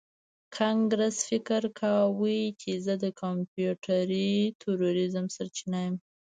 کانګرس فکر کاوه چې زه د کمپیوټري تروریزم سرچینه یم